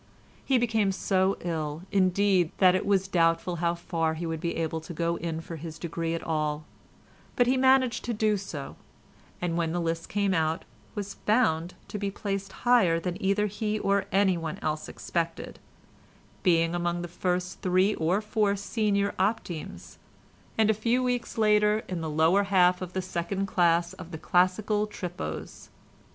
He became so ill, indeed, that it was doubtful how far he would be able to go in for his degree at all; but he managed to do so, and when the list came out was found to be placed higher than either he or anyone else expected, being among the first three or four senior optimes, and a few weeks later, in the lower half of the second class of the Classical Tripos.